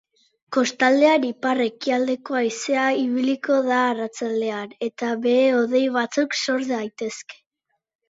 Kostaldean ipar-ekialdeko haizea ibiliko da arratsaldean, eta behe hodei batzuk sor daitezke.